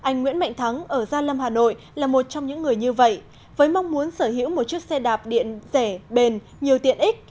với mong muốn sở hữu một chiếc xe đạp điện rẻ bền nhiều tiện ích